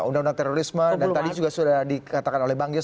undang undang terorisme dan tadi juga sudah dikatakan oleh bang gis